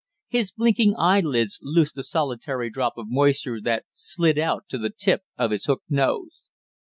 His blinking eyelids loosed a solitary drop of moisture that slid out to the tip of his hooked nose.